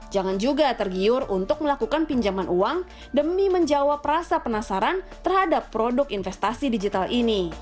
jangan juga tergiur untuk melakukan pinjaman uang demi menjawab rasa penasaran terhadap produk investasi digital ini